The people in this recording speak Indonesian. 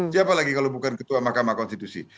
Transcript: siapa lagi kalau bukan ketua mahkamah konstitusi